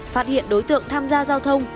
phát hiện đối tượng tham gia giao thông